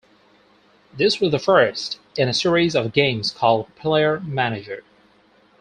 This was the first in a series of games called "Player Manager".